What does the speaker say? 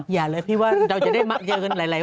อย่าเลยพี่ว่าเราจะได้มาเจอกันหลายคน